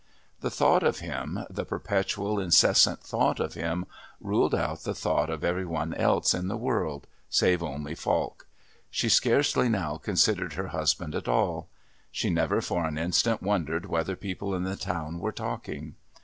The thought of him, the perpetual incessant thought of him, ruled out the thought of every one else in the world save only Falk. She scarcely now considered her husband at all; she never for an instant wondered whether people in the town were talking.